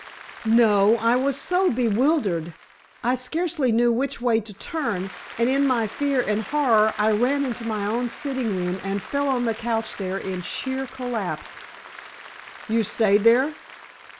"No; I was so bewildered, I scarcely knew which way to turn, and in my fear and horror I ran into my own sitting room and fell on the couch there in sheer collapse." "You stayed there?"